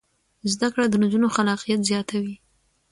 زده کړه د نجونو خلاقیت زیاتوي.